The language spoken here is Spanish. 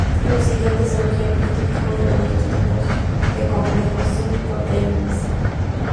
Los siguientes son ejemplos típicos de los dos tipos de complejos cinc-proteínas.